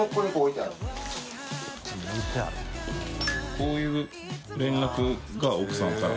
こういう連絡が奥さんから？